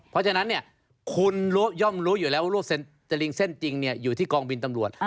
เพราะฉะนั้นคุณย่อมรู้อยู่แล้วว่าจะลิงเส้นจริงอยู่ที่กองบินตำรวจ